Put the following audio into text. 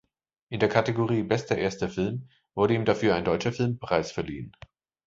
In der Kategorie "Bester erster Film" wurde ihm dafür ein Deutscher Filmpreis verliehen.